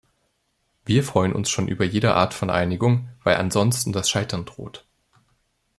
Wir freuen uns schon über jede Art von Einigung, weil ansonsten das Scheitern droht.